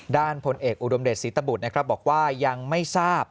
พลเอกอุดมเดชศรีตบุตรนะครับบอกว่ายังไม่ทราบ